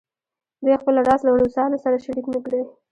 دوی خپل راز له روسانو سره شریک نه کړي.